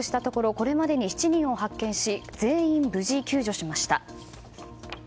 これまでに７人を発見し全員救助しました。